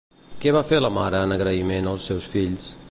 Què va fer la mare en agraïment als seus fills?